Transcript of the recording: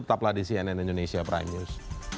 tetaplah di cnn indonesia prime news